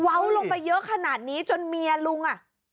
วาวลงไปเยอะขนาดนี้จนเมียลุง